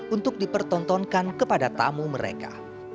untuk dipertontonkan kepada tamu mereka